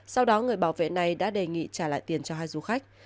sau đó người bảo vệ này đã đề nghị trả lại tiền cho hai du khách